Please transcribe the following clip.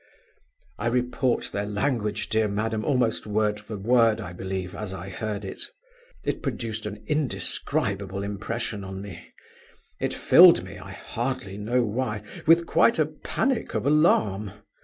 "I report their language, dear madam, almost word for word, I believe, as I heard it. It produced an indescribable impression on me; it filled me, I hardly know why, with quite a panic of alarm.